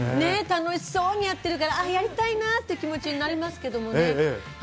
楽しそうにやってるからやりたいなって気持ちになりますけどね。